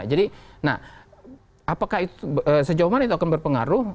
jadi nah apakah itu sejauh mana itu akan berpengaruh